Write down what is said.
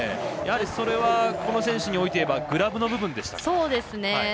やはりそれは、この選手においていえばグラブの部分でしたね。